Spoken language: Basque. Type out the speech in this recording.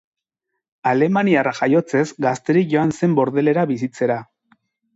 Alemaniarra jaiotzez, gazterik joan zen Bordelera bizitzera.